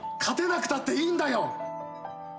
勝てなくたっていいんだよ！